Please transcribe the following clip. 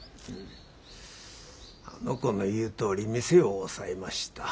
あの子の言うとおり見世を押さえました。